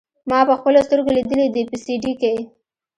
ما پخپلو سترګو ليدلي دي په سي ډي کښې.